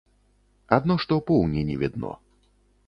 Адно што поўні не відно.